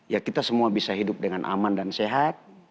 ya kita semua bisa hidup dengan aman dan sehat